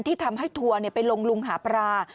ที่ทำให้ทัวร์ไปลงลุงหาปลา